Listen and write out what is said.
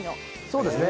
そうですね。